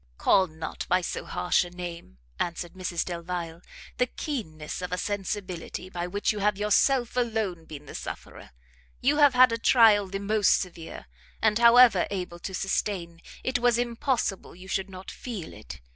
"Call not by so harsh a name," answered Mrs Delvile, "the keenness of a sensibility by which you have yourself alone been the sufferer. You have had a trial the most severe, and however able to sustain, it was impossible you should not feel it.